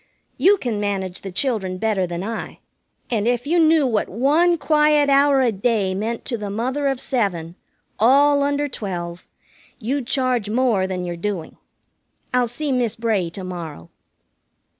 "You can manage the children better than I, and if you knew what one quiet hour a day meant to the mother of seven, all under twelve, you'd charge more than you're doing. I'll see Miss Bray to morrow."